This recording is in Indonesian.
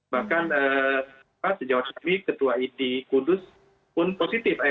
bahkan sejawat kami ketua it kudus pun positif akhirnya